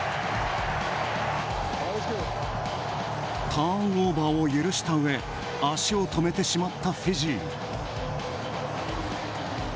ターンオーバーを許したうえ足を止めてしまったフィジー。